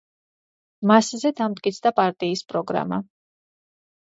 მასზე დამტკიცდა პარტიის პროგრამა.